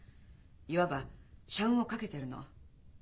いわば社運をかけてるの。